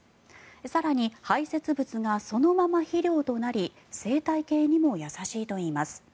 更に、排せつ物がそのまま肥料となり生態系にも優しいといいます。